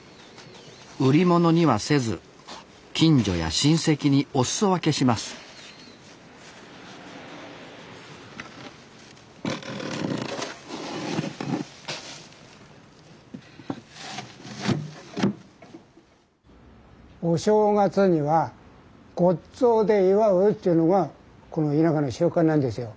売り物にはせず近所や親戚にお裾分けしますお正月にはごっつぉで祝うというのがこの田舎の習慣なんですよ。